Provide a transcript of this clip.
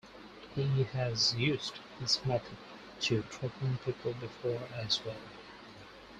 He has used this method to threaten people before, as well.